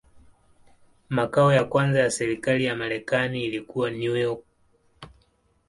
Makao ya kwanza ya serikali ya Marekani ilikuwa New York.